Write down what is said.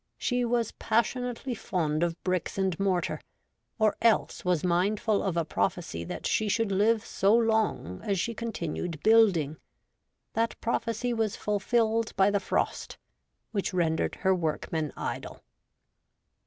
She was passionately fond of bricks and 70 REVOLTED WOMAN. mortar, or else was mindful of a prophecy that she should live so long as she continued building. That prophecy was fulfilled by the frost, which rendered her workmen idle.